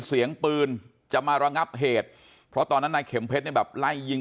เสียงปืนจะมาระงับเหตุเพราะตอนนั้นนายเข็มเพชรเนี่ยแบบไล่ยิง